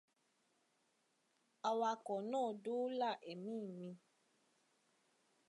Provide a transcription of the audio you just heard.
Awakọ̀ náà dóòlà ẹ̀mí mí.